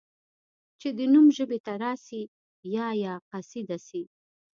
چي دي نوم ژبي ته راسي یا یا قصیده سي